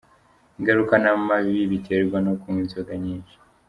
Ingaruka n’amabi biterwa no kunywa inzoga nyinshi.